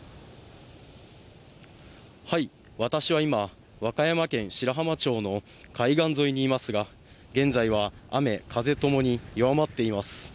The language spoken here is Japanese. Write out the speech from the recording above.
私は今、和歌山県白浜町の海外沿いにいますが、現在は雨・風ともに弱まっています。